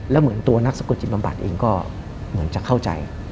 แล้วเหมือนตัวนักสะกดจิตบำบัดเองก็เหมือนจะเข้าใจ